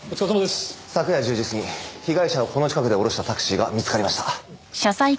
昨夜１０時過ぎ被害者をこの近くで降ろしたタクシーが見つかりました。